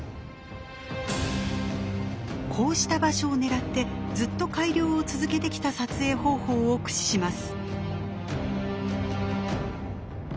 こうした場所を狙ってずっと改良を続けてきた撮影方法を駆使します。